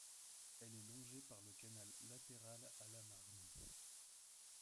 Elle est longée par le canal latéral à la Marne.